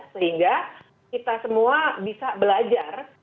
sehingga kita semua bisa belajar